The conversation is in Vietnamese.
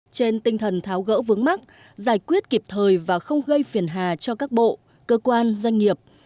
trên tinh thần tháo gỡ vướng mắt giải quyết kịp thời và không gây phiền hà cho các bộ cơ quan doanh nghiệp